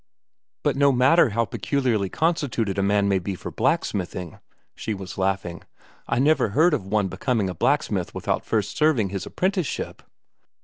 "But no matter how peculiarly constituted a man may be for blacksmithing," she was laughing, "I never heard of one becoming a blacksmith without first serving his apprenticeship."